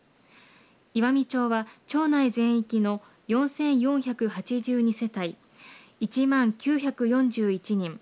岩美町は町内全域の４４８２世帯１万９４１人。